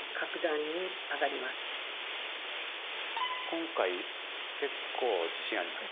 今回、結構自信あります。